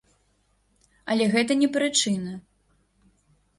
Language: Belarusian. Але гэта не прычына.